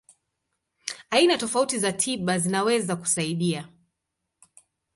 Aina tofauti za tiba zinaweza kusaidia.